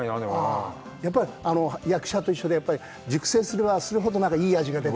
やっぱり役者と一緒で熟成すればするほど、いい味が出てて。